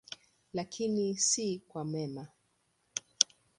Lakini si kwa mema.